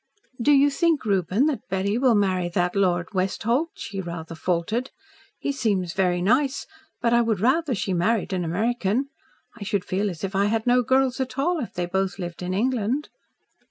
"Do you think, Reuben, that Betty will marry that Lord Westholt?" she rather faltered. "He seems very nice, but I would rather she married an American. I should feel as if I had no girls at all, if they both lived in England."